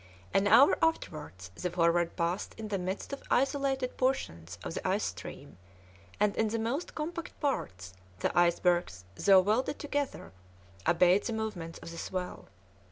An hour afterwards the Forward passed in the midst of isolated portions of the ice stream, and in the most compact parts, the icebergs, though welded together, obeyed the movements of the swell.